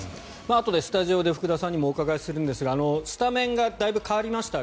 あとでスタジオで福田さんにもお伺いするんですがスタメンがだいぶ変わりました。